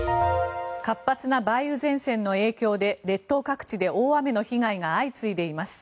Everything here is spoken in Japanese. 活発な梅雨前線の影響で列島各地で大雨の被害が相次いでいます。